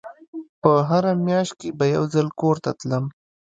په هره مياشت کښې به يو ځل کور ته تلم.